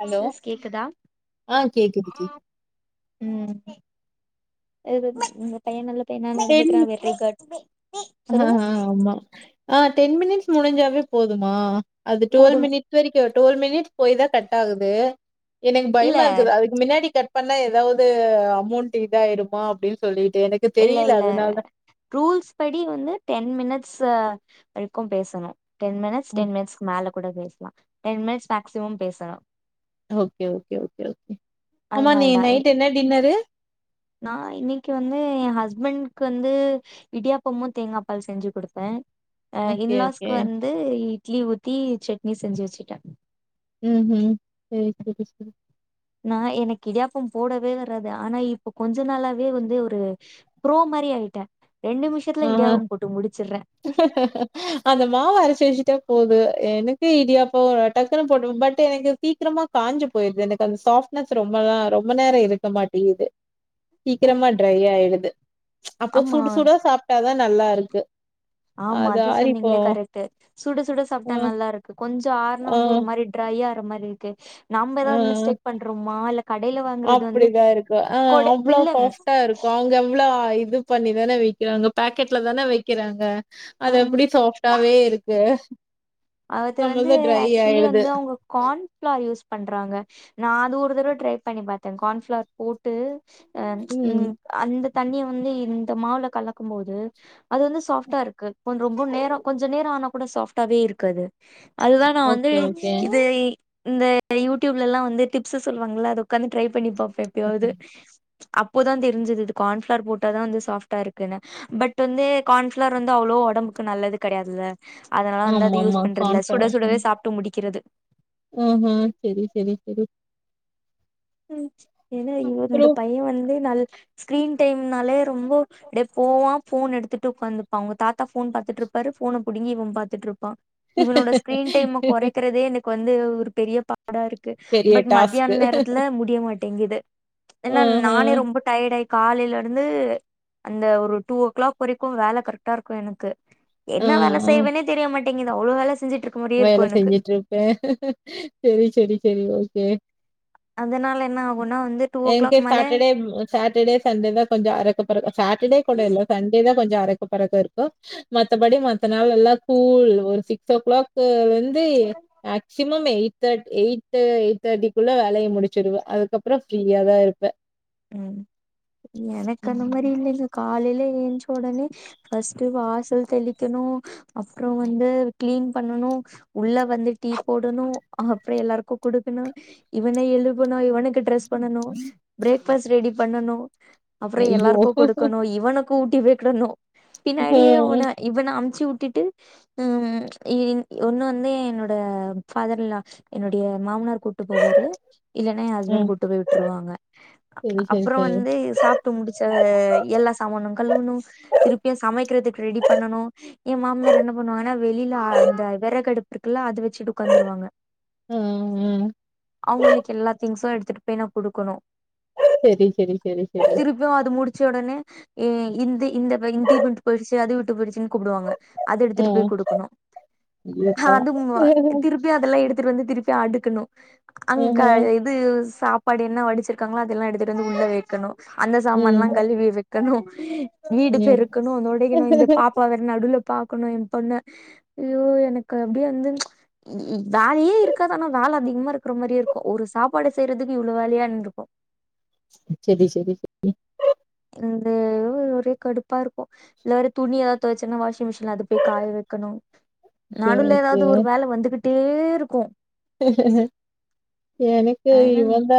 Hello கேக்குதா ஆ கேக்குது கேக்குது உம் [unintelligible] ன நடந்துக்கறேன் வெரி குட் ஆஹ் சொல்லுங்க ஆஹ் ஆமா ஆஹ் டென் மினிட்ஸ் முடிஞ்சாவே போதுமா அது டுவல் போதும் மினிடஸ் வரைக்கு டுவல் மினிட்ஸ் போய் தான் கட் ஆகுது எனக்கு இல்ல பயமா இருக்குது அதுக்கு மின்னாடி கட் பண்ணா ஏதாவது அமௌண்ட் இதாயிருமா அப்டின்னு சொல்லிட்டு எனக்கு இல்ல தெரியில இல்ல அதனால தான் ரூல்ஸ் படி வந்து டென் மினிட்ஸ் வரைக்கும் பேசணும் டென் மினிட்ஸ் தா டென் மினிட்ஸ் கு மேல கூட பேசலாம் டென் மினிட்ஸ் மேக்சிமம் பேசுறா ஓகே ஓகே ஓகே ஓகே ஆமா நீ நைட் என்ன டின்னரு நான் இன்னிக்கு வந்து என் ஹஸ்பண்ட்கு வந்து இடியாப்பமும் தேங்காபால் செஞ்சு கொடுப்பேன் அ ஓகே ஓகே இன்லாஸ்க்கு வந்து இட்லி ஊத்தி சட்னி செஞ்சு வச்சுட்டேன் உஹும் உஹும் சரி சரி நான் எனக்கு இடியாப்பம் போடவே வராது ஆனா இப்ப கொஞ்ச நாளாவே வந்து ஒரு பு்ரோ மாரி ஆயிட்டேன் ஆஹ் அந்த மாவரைச்சு வச்சுட்ட போது எனக்கு இடியாப்போ டக்குனு போட்ட பட் எனக்கு சீக்கிரமா காஞ்சு போயிடுது எனக்கு அந்த சாஃப்டனஸ் ரொம்பதாம் ரொம்ப நேரம் இருக்க மாட்டே இது சீக்கிரமா ட்ரை ஆயிடுது ப்ச் அப்போ ஆமா சுடு சுடா சாப் தான் நல்லா இருக்கு ஆமா அது சொன்னீங்களே கரெக்ட்டு சுட சுட அ சாப்டா நல்லா இருக்கு கொஞ்சோ ஆருனா ஆ வந்து ஒரு மாரி ட்ரையா றமாரி இருக்கு நம்ப ஆ ஏதாது மிஸ்டேக் பண்றோமா இல் அப்டிதான் இருக்கு ஆஹ் அவ்ளோ இல்ல சாஃப்டா இருக்கும் அவங்க எவ்ளோ இது பண்ணிதான வைக்கிறாங்க பாக்கெட்ல தான வைக்கிறாங்க அது ஆ எப்டி சாஃப்டாவே இருக்கு அது வந்து நம்மள்து ட்ரை ஆக்சுவலி ஆயிடுது வந்து அவங்க கான்ஃபிளார் யூஸ் பண்றாங்க நான் அது ஒரு தடவை ட்ரை பண்ணி பாத்தேன் கான்ஃபிளார் போட்டு அ ப்ச் ம் உம் அந்த தண்ணிய வந்து இந்த மாவுல கலக்கும் போது அது வந்து சாஃப்டா இருக்கு ரொம்ப நேரம் கொஞ்ச நேரம் ஆனா கூட சாஃப்டாவே இருக்கு க்கு அது அதுதான் நான் வந்து ஓகே ஓகே இது இந்த யூடியூப்லலா வந்து டிப்ஸ் சொல்லுவாங்கள அத உக்காந்து ட்ரை பண்ணிப் பா ப்ப எப்பயாவது அப்போதான் தெரிஞ்சது இது கான்ஃப்ளார் போட்டா தான் வந்து சாஃப்ட்டா இருக்குன்னு பட் வந்து கான்ஃப்ளார் வந்து அவ்ளோ ஒடம்புக்கு நல்லது கெடையாதுல அதனால வந்து ஆமா அது யூஸ் ஆமா இல்ல சுட சுடவே சாப்ட்டு முடி க்கிறது ம் ஹும் சரி சரி சரி ம் ஏனா இ இந்த அப்புறம் பையன் வந்து நல் ஸ்கிரீன் டைம்னாலே ரொம்ப எப்போவான் ஃபோன் எடுத்துட்டு உக்காந்துப்பான் அவங்க தாத்தா ஃபோன் பாத்துட்டுருப்பாரு ஃபோன புடிங்கி இவன் பாத்துட்டுருப்பான் இவனோட ஸ்கிரீன் டைம்ம கொறைக்கறதே எனக்கு வந்து இவுரு பெரியப்பா சுடா இருக்கு பெரிய பட் டாஸ்க்கு. மத்யான் நேர ட்ல முடிய மாட் டேங்கிது ஏனா ஆஹா. நானே ரொம்ப டயர்ட் ஆ காலைல இருந்து அந்த ஒரு டூ ஓ கிளாக் வரைக்கு வேல கரெக்ட்டா இருக்கு எனக்கு ஆ, என்னா வேல ஆ. செய்வனே தெரிய மாட் டிங்குது அவ்ளோ வேல செஞ்சிட் வேல செஞ்சுட்டுருப்பே செரி செரி செரி ஓகே அதனால என்ன ஆகுன்னா வந்து டூ ஓ என்க்கு கிளாக் மேல சாட்டர்டே வு சாட்டர்டே சண்டேதா கொஞ்சோ அரக் துப் பெறகு அ சாட்டர்டே கூட இல்லா சண்டேதா கொஞ்சோ அரக்கப் பறக்க இருக்கோ மத்தபடி மத்த நாளெல்லா கூல் ஒரு சிக்ஸ் ஓ கிளாக் சாவென் இதே ஆக் திம்மம் எயிட் தேர்ட்டி எயிட் எயிட் தேர்ட்டிக்குள்ள வேலய முடிச்சிடுவே அதுக்கப்பறோ ஃப்ரீயாதா இருப்பே ம் எனக்கு அந்த மாரி ம். இல்லல்ல கா காலைல ஏயின்ச ஒடனே ஃபர்ஸ்ட் வாசல் தெளிக்கணு அப்றோ வந்து கிளீன் பண்ணணு உள்ள வந்து டீ போடணு அப்புறோ எல்லாருக்கும் குடுக்கணு இவனை எழுபுணா இவனுக்கு டிரஸ் பண்ணனு பிரேக் ரெடி பண்ணனு அப்றோ ஐயோ! எல்லாருக்கு குடுக்குணு இவனுக் ஊட்டி விடணு பின்னாடியே ஆ. ஓடுனு இவ அம் சி வுட்டுட்டு ம் இ ஒன்னு வந்து என்னோட ஃபாதர் இன் லா என்னுடைய மாமனார் கூட்டு போவாரு இல்லன்னா எ ஹஸ்பண்ட் ம் கூட்டு போய் விட்ருவாங்க செரி செரி அப்றோ செரி வந்து சாப்ட்டு முடிச்ச எல்லா சமானு கழுவனு திருப்பியு சமைக்கிறதுக்கு ரெடி பண்ணனு எ மாமியார் என்ன பண்ணுவாங்கனா வெளில அந்த வெ வெறகடுப்பு இருக்குல்ல அத வச்சுட்டு உட்காந்துருவாங்க ஆ ஆ அவங்களுக்கு எல்லா திங்க்ஸு எடுத்துட்டு போய் நா குடுக்குணு செரி செரி செரி செரி அஹ் இந்தி இந்த இந்தி விட்டு போயிடுச்சு அது விட்டு போயிடுச்சுன்னு கூப்பிடுவாங்க அது ஆ எடுத்துட்டு போய் குடுக்கணு ஹ ஐயோப்பா அது திருப்பி அதெல்லாம் எடுத் த்து வந்து திருப்பி அடுக்கணு அங்க ஆஹ இது சாப் படினா வடிச்சிரு இருக்கங்களா அதெல்லா எடுத்துட்டு வந்து உள்ள வைக்கணு அந்த சாமான் எல்லா ம் கழுவி வை தரனு வீடு ம் பெருக்கணு அதோட இந்த பாப்பாவ நடுல பாக்கணு என் பொண்ண ஐயோ எனக்கு அப்டியே வந்து வேலயே இருக்காது ஆனா வேல அதிகமா இருக்கிற மாரியே இருக்கு ஒரு சாப்பாடு செய்றதுக்கு இவ்ளோ வேலயானு அப்டிங்கற மாரி இருக்கு செரி செரி செரி இந்த ஒரே கடுப்பா இருக்கு இல்ல துணி எதாது தெவச்சன்னா வாஷிங் மிஷின் அது போய் காய வைக்கணு ஓகே நாடுவுல ஓகே எதாது ஒரு வேல வந்துகிட் ட்டே இருக்கு எனக்கு அதனால இவந்தா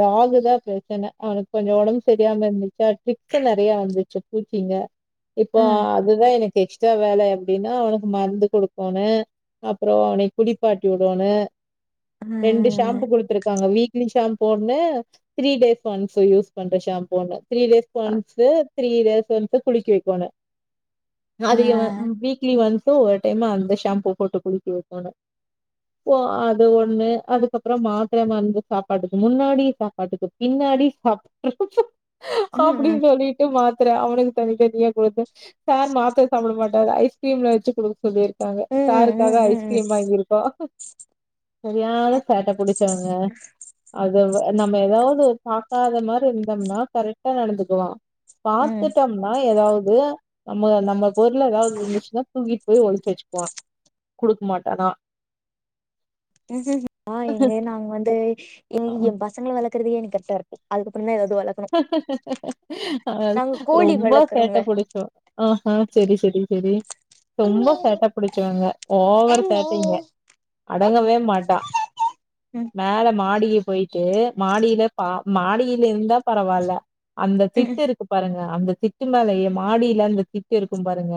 டாகு தா பிரச்சன அவனுக்கு கொஞ்ச உடம்பு செரியில்லாம இருந்துச்சா டிக் நெறைய வந்துச்சு பூச்சிங்க இப்போ ஆ அதுதா‌ எனக் எக்ஸ்ட்ரா வேல எப்டினா அவனுக்கு மருந்து குடுக்கோணு அப்புறம் அவன குளிப்பாட்டி வுடேனு ஆ ரெண்டு ஷாம்பு குடுத்துருக்காங்க வீக் ரெய்லி ஷாம்பு ஒன்னு த்ரீ டேஸ் ஒன்ஸ் யூஸ் பண்ற ஷாம்பு ஒன்னு three days once three days once குளிக்க வைக்கனு ஆ அது வீக்லி ஒன்ஸ் சோ ஒரு டைமு அந்த ஷாம்பூ போட்டு குளிக்க வைக்கணு ஓ அது ஒண்ணு அதுக்கப்பறம் மாத்திர மருந்து சாப்பாட்டுக்கு முன்னாடி சாப்பாட்டுக்கு பின்னாடி சாப்பிட்டு ம் அப்டின்னு சொல்லிட்டு மாத்த அவனுக்கு தனி தனியா கொடுத்து சார் மாத்தர சாப்ட மாட்டாறு ஐஸ்கிரீம்ல வெச்சு குடுக்க சொல்லிருக் இருக்காங்க ம் ம் சாருக்காக ம் ம் ஐஸ்கிரீம் வாங்கியிருக்கோ செரியான சேட்ட புடிச்சவங்க அது நம்ம எதாவது பாக்காத மாரி இருந்தோம்னா கரெக்டா நடந்துக்குவான் ம் ம் பாத்துட்டோம்னா எதாவது [unintelligible] நம்ம நம்ம பொர்லு எதாது இருந்துச்சுனா தூகி போய் ஒலிச்சு வச்சுக்குவான் குடுக்க மாட்டானா ம் எங்க நாங்க வந்து இன்னிக்கு என் பசங்க வளக் வளக்ரதே எனக்கு கரக்டா இருக்கு அதுக்கபரதான் ஆ நாங்க கோழி ரொம்ப வளக்கறோங்க சேட்டை புடிச்சவன் ஆஹ்ஹ் சேரி சேரி சேரி ரொம்ப ம் சேட்டை புடிச்சவங்க ஓவரு ம் சேட்டைங்க அடங்கவே மாட்டான் மேல மாடி போயிட்டு மாடியில பா மாடியில இருந்தா பரவால்ல அந்த திட்டு இருக்கு பாருங்க அந்த திட்டு மேலைய மாடியில அந்த திட்டு இருக்கும் பாருங்க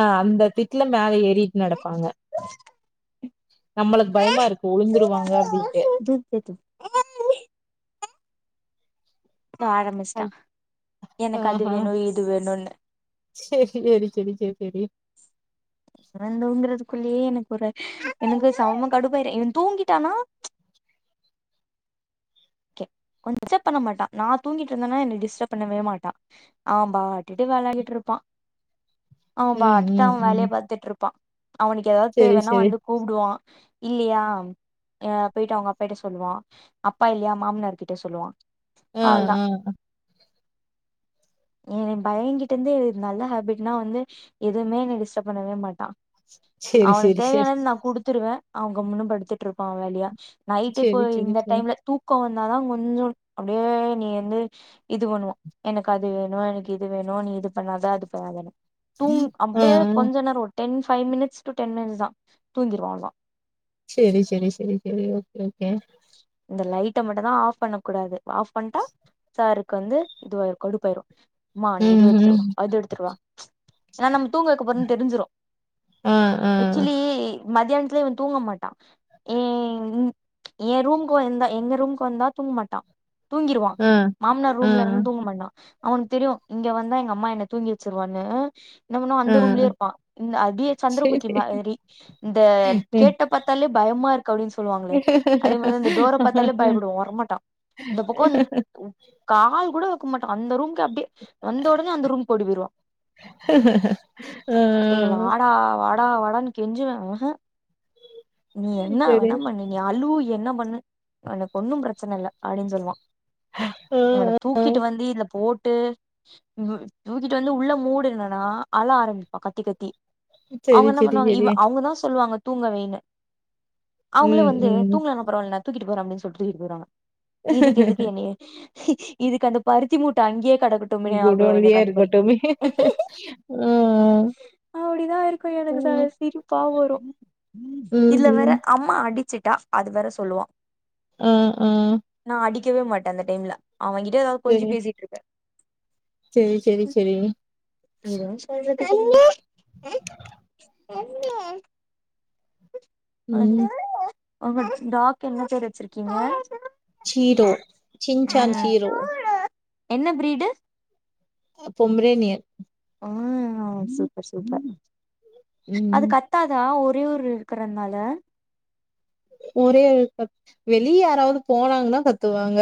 ஆ அந்த திட் திட்ல மேல ஏரி ட்டு நடப்பாங்க [inaudible] நம்மளுக்கு பயமா இருக்கு உழுந்துருவாங்க அப்படின்ட்டு ம் ஆ ஆரம்பிச்சிட்டா எனக்கு அது ஆஹ வேணு இது வேணுன்னு செரி செரி செரி செரி செரி இவன் தூங்குறதுக்குள்ளயே எனக்கு ஒரு எனக்கு செம கடுப்பாயிடு இவன் தூங்கிட்டானா ஓகே டிஸ்டர்ப் பண்ண மாட்டான் நான் தூங்கிட்டு இருந்தேனா என்னை டிஸ்டர்ப் பண்ணவே மாட்டான் அவ பாட்டுட்டு விளையாடிட்டு இருப்பான் அவன் ம் பாட்டுட்டு ம் அவன் வேலைய ம் பாத்துட்டு இருப்பான் அவனுக்கு ஏதாவது சேரி தேவைன்னா சேரி வந்து கூப்பிடுவான் இல்லையா ஆ போயிட்டு அவங்க அப்பாகிட்ட சொல்லுவான் அப்பா இல்லையா மாமனார் கிட்ட சொல்லுவான் ஆ ஆ அவளதான் என் பயங்கிட்ட இருந்து நல்ல ஹேபிட்னா வந்து எதுவுமே என் டிஸ்டர்ப் பண்ணவே மாட்டான் சேரி அவனுக்கு சேரி சேரி தேவையானது நான் குடுத்துருவேன் அவ கம்முன்னு படுத்துட்டு இருப்பான் அவ வேலையா நைட் இப்போ சேரி சேரி இந்த சேரி டைம்ல தூ இப்ப வந்தாதான் கொஞ்சம் அப்படியே நீ வந்து இது பண்ணுவான் எனக்கு அது வேணும் எனக்கு இது வேணும் நீ இது பண்ணாத அது பண்ணாதநு தூங்க் ஆ ஆ அப்படியே கொஞ்ச நர ஓ ten five minutes two ten minutes தான் தூங்கிடுவா அவ்ளவுதான் சேரி சேரி சேரி சேரி ஓகே ஓகே இந்த லைட்டை மட்டும் தான் ஆஃப் பண்ணக்க கூடாது ஆப் பண்ணிட்டா சார் க்கு வந்து இது கடுப்பாயிடும் அம்மா நீ இது ம் ம் வெச்சுருவா அது எடுத்துட்டுவா ஏனா நம் தூங்கற வெக்க போறேன் தெரிஞ்சுரு ஆ ஆ ஏக்சுலி மத்தியானத் தில் இவ தூங்க மாட்டா ம் எ ரூம்க்கு வந்தா எங்க ரூம்க்கு வந்தா தூங்க மாட்டா தூங்கிருவா ஆ மாமனார் ஆ ரூம்ல இருந்து தூங்க மாட்டா அவனுக்கு தெரியு இங்க வந்தா எங்க அம்மா என்ன தூங்கி வச்சிருவாங்க என்ன பன்னா ஆ அந்த ரூம்லயே இருப்பா இந்த அடியே சந்திரமுகி சேரி மாரி இந்த ம் கேட்ட பாத்தாலே பயமா இருக்கு அப்படின் சொல்லுவாங்களே அதே மாரி தா இந்த டோர பாத்தாலே பயப்படுவா வரமாட்டா இந்த பக்கோ கால் கூட வெக்க மாட்டா அந்த ரூம் இர்க் அப்படியே வந்த உடனே அந்த ரூம் ஓடி போயிடுவா ஆ டேய் வாடா வாட் டா வாடான் கெஞ்சுவே நீ என்ன சரி வேணா பண்ணி நீ அலு என்ன பண்ணு எனக்கு ஒன்னு பிரச்சன இல்ல அப்படின் சொல்லுவா இவன ஆ தூக்கிட்டு வந்து இதுல போட் டு தூக்கிட்டு வந்து உள்ள மூடுனுனா அழ ஆரம்பிப்பா கத்தி கத்தி சரி அவுங்க என்ன சரி பண்ணுவாங்க இவ சரி அவங்கதா சொல்லுவாங்க தூங்க வெய்னு அவங்களு ம் வந்து தூங்கலான பரவால்ல தூக்கிட்டு போறோ அப்டின் சொல்ட்டு தூக்கிட்டு போறாங்க இதுக்கு ம் எதுக்கு என்னைய இதுக்கு அந்த பருத்தி மூட்ட அங்யே கடகட்டுமே ஆகு குடோன்லயே எனக்கு அந்த மாரி இருக்கட்டுமே ஆ அப்டிதா இருக்கு எனக்கு ம் செம சிரிப்பா வரு இது வேற ம்ஹும் அம்மா அடிச்சுட்டா அது வேற சொல்லுவா ஆஹ் ஆஹ் கவே மாட்ட அந்த டைம்ல அவன் கிட்ட எதா கொஞ்சி பேசிட்ருப்பே சேரி சேரி சேரி எதுவு [inaudible] அ ம் உங்க டாக்கென்ன பேரு வச்சிருக்கீங்க ஷீரோ சின்சான் ம் ஷீரோ என்ன ப்ரீடு பொம்ரேனியன் ம் சூப்பர் சூப்பர் ம் அது கத்தாதா ஒர் ரே ஒரு இருக்கிறனால ஒரே கத் வெளிய யாராவது போனாங்கன்னா கத்துவாங்க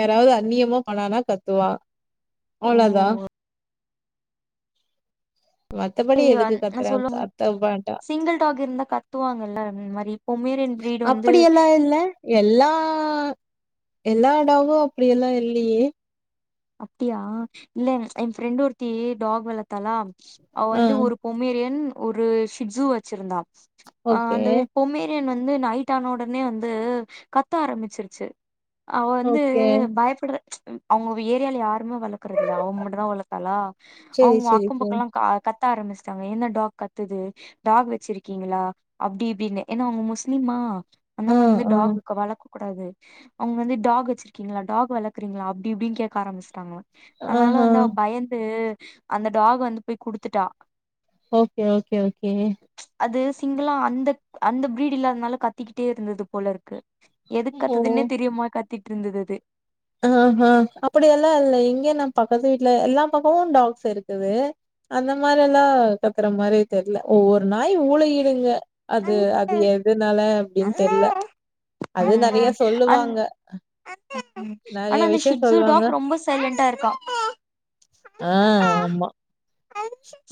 யாராவது அந்நியமா பண்ணானா கத்துவா ஓ அவ்ளோதா அ மத்தபடி எதுக்கு செய்வான் அ கத்துறா சொல்லுங்க கத்த மாட்டா சிங்கில்டாக் இருந்தா கத்துவாங்கல்ல அந் மாரி எப்போம் அப்படியெல்லா இல்ல எல்லா எல்லா டாகு அப்படி எல்லா இல்லையே அப்டியா இல்ல ஏ ஃப்ரெண்ட் ஒருத்தி டாக் வளத்தாளா அவ ஆ வந்து ஒரு பொமேரியன் ஒரு சிஜ்ஜு வச்சிருந்தா ஆ ஓகே அந்த வெ பொமேரியன் வந் து நைட்டான ஒடனே வந்து கத்த ஆரம்பிச்சிருச்சு அவ வந்து ஓகே பயப்படுவ அவுங்க ஏரியால யார் ம்மே வளக்கறதில்ல அவுங்க மட்டுந்தா வளர்த்தாளா செரி அவுங்க செரி அக்கம செரி பக்கம்லா கா கத் கத்த ஆரம்பிச்டாங்க என்ன டாக் கத்துது டாக் வச்சிருக்கீங்களா அப்டி இப்டின்னு ஏனா அவுங்க முஸ்லீமா அன்னால வந்து டாக்கு வளக் கூடாது அவுங்க வந்து டாக் வச்சிருக்கீங்களா டாக் வளக்கறீங்களா அப்டி இப்டின்னு கேக் க ஆரம்பிச்ட்டாங்க அத்னால ஆஹா வந்து அவ பயந்து அந்த டாக் வந்து போய் குடுத்துட்டா ஓகே ஓகே ஓகே அது சிங்கிளா அந்தக் அந்த ப்ரீடூ இல்லாதனால கத்திக்கிட்டே இருந்துது போலருக்கு எதுக் ஓ கத்துதுன்னே தெரியாம கத் திட்ருந்துது அது ஆஹா அப்படியல்லா இல்ல இங்கயூ நம் பக்கத்து வீட்டுல எல்லா பக்கமூ டாக்ஸ் இருக்குது அந்த மாரி எல்லா கத்துற மாரி தெரில ஒவ்வொரு நா ஆய் ஊளையிடுங்க அது அது எதுனால அப்டின் தெரில அது அது நெறைய ம் அன் சொல்லுவாங்க ம் ஆனா நெறைய அந்த விஷயோ ஷிஜ்ஜு சொல்லுவாங்க டாக் ரொம்ப சைலண்டாருப்பா ஆ ஆமா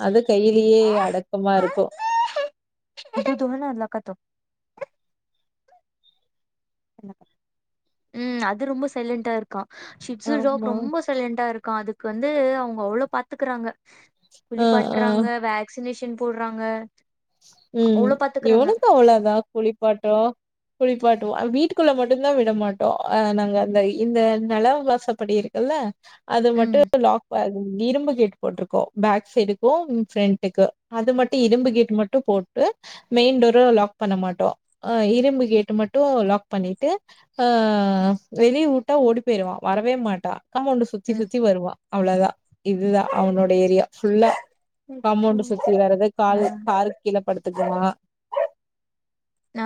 அது கையிலயே அடக்கமா இருக்கூ இது துவன எல்லா கத்தோ உம் அது ரொம்ப சைலன்டா இருக்கான் ஷிஜு ஆமா ரொம்ப சைலண்டா இருக்கா அதுக்கு வந்து அவுங்க அவ்ளோ பாத் துக்கறாங்க ஆ குளிப்பாட்றாங்க வேக்ஸ் சின்னேஷன் போடுறாங்க உம் இவனுந்தா அவ்ளதா குளிப்பாட்றோ குளிப்பாட் டோ வீட்டுக்குள்ள மட்டுந் தா விடமாட்டோ அஹ் நாங்க அந்த இந்த நெல வாசப்படி இருக்குல்ல அது ம் மட்டும் லாக்பாகு இரும்பு கேட் போட்ருக்கோம் பேக் சைடுக்கும் ஃபிரண்ட்டுக்கு அது மட்டு இரும்பு கேட் மட்டு போட்டு மெயின் டோர் லாக் பண்ண மாட்டோ அ இரும்பு கேட் மட்டு லாக் பண்ணிட்டு அஹ வெளிய வுட்டா ஓடி போயிருவா வரவே மாட்டா காமோன்டு சுத்தி ம் சுத்தி வருவா அவ்வளா தான் இதுதா அவனோட ஏரியா ஃபுல்லா கமோண்டு ம் சுத்தி வர்றது ஆ காலு கார் படுத்துக்குவான் நா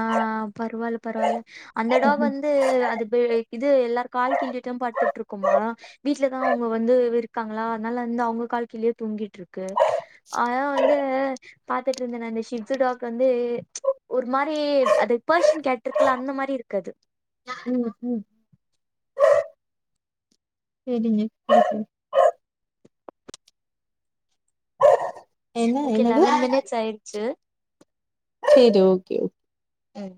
பர்வால பர்வால அந்த டாக் வந்து அது இது எல்லாரு கால் கீளெட்டும் படுத்துட்ருக்குமா அ வீட்டுலதா அவுங்க வந்து இருக்காங்களா அதனால இந்தா உங்க கால்கிலேயே தூங்கிட்டு இருக்கு ஆனா வந்து பாத்துட்டு இருந்தே நா இந்த ஷிக்ஜு டாக் வந்து ஒரு மாரி அது பர்சியன் கேட்டிருக்குல்ல அந்த மாரி இருக்கு அது உம் உம் சரிங்க சரி சரி என்ன ஓகே என்னது லெவன் மினிட்ஸ் ஆயிடுச்சு சரி ஓகே ம்